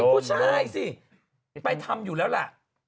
ผู้ชายสิไปทำอยู่แล้วล่ะ